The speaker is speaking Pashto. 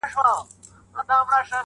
• اوښکي دې توی کړلې ډېوې، راته راوبهيدې.